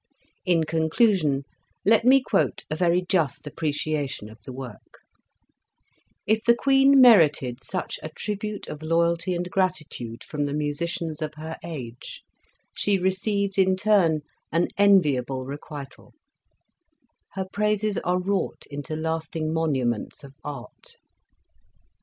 In conclusion, let me quote a very just ap preciation of the work : "If the Queen merited such a tribute of loyalty and gratitude from the musicians of her age, she received in turn an enviable requital, her praises are wrought into lasting monuments of art."